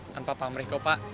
tanpa pamrik pak